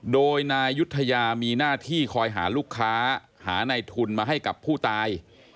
โดยนายยุธยามีหน้าที่คอยหาลูกค้าหาในทุนมาให้กับผู้ตาย